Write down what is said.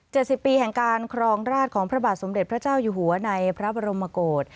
สิบปีแห่งการครองราชของพระบาทสมเด็จพระเจ้าอยู่หัวในพระบรมโกศ